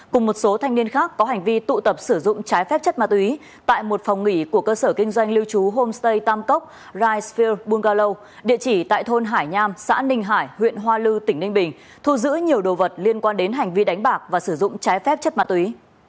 cùng một số thanh niên khác có hành vi tụ tập sử dụng trái phép chất ma túy tại một phòng nghỉ của cơ sở kinh doanh lưu trú homestay tam cốc rise bulgalo địa chỉ tại thôn hải nham xã ninh hải huyện hoa lư tỉnh ninh bình thu giữ nhiều đồ vật liên quan đến hành vi đánh bạc và sử dụng trái phép chất ma túy